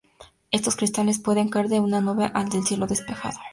Estos cristales pueden caer de una nube o del cielo despejado.